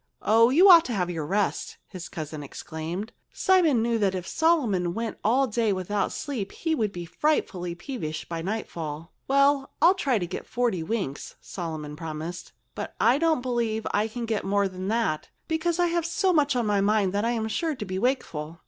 "Oh! You ought to have your rest!" his cousin exclaimed. Simon knew that if Solomon went all day without sleep he would be frightfully peevish by nightfall. "Well—I'll try to get forty winks," Solomon promised. "But I don't believe I can get more than that, because I have so much on my mind that I'm sure to be wakeful."